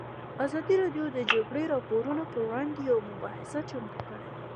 ازادي راډیو د د جګړې راپورونه پر وړاندې یوه مباحثه چمتو کړې.